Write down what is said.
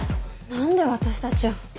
何で私たちを。